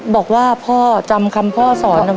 บอกว่าพ่อจำคำพ่อสอนไว้ได้